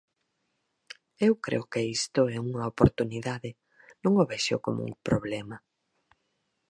Eu creo que isto é unha oportunidade, non o vexo como un problema.